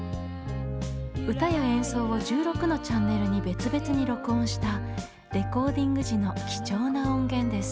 歌や演奏を１６のチャンネルに別々に録音したレコーディング時の貴重な音源です。